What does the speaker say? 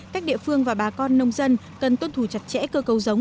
các địa phương và bà con nông dân cần tuân thủ chặt chẽ cơ cấu giống